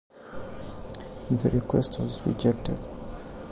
The request was rejected.